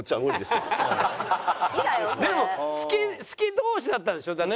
でも好き同士だったんでしょ？だって。